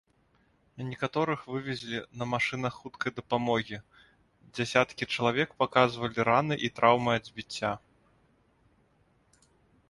Некаторых вывезлі на машынах хуткай дапамогі, дзясяткі чалавек паказвалі раны і траўмы ад збіцця.